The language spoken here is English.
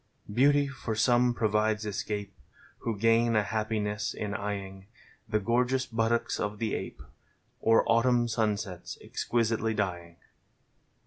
Hoautv for some provides escape. Who gain a luippiness in e) eing The gorgeous buttocks of the ape Or Autumn sunsets exquisitely dnng.